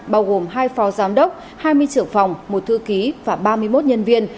bao gồm hai phó giám đốc hai mươi trưởng phòng một thư ký và ba mươi một nhân viên